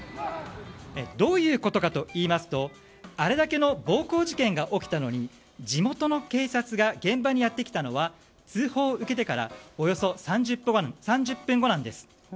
どういうことかといいますとあれだけの暴行事件が起きたのに地元の警察が現場にやってきたのは通報を受けてからおよそ３０分後なんです。